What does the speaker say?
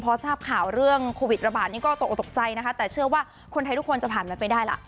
พอทราบข่าวเรื่องโควิดระบาดนี่ก็ตกออกตกใจนะคะแต่เชื่อว่าคนไทยทุกคนจะผ่านมันไปได้ล่ะ